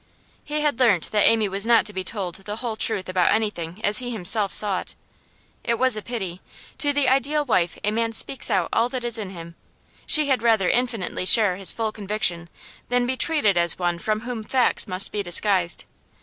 He had learnt that Amy was not to be told the whole truth about anything as he himself saw it. It was a pity. To the ideal wife a man speaks out all that is in him; she had infinitely rather share his full conviction than be treated as one from whom facts must be disguised.